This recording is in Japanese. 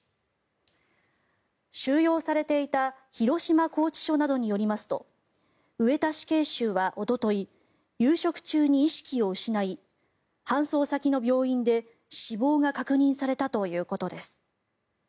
収容されていた広島拘置所などによりますと上田死刑囚はおととい夕食中に意識を失い搬送先の病院で死亡が確認されたということです。